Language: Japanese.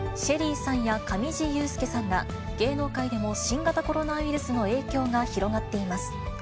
ＳＨＥＬＬＹさんや上地雄輔さんら、芸能界でも新型コロナウイルスの影響が広がっています。